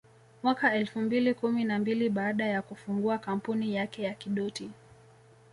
Mwaka elfu mbili kumi na mbili baada ya kufungua kampuni yake ya Kidoti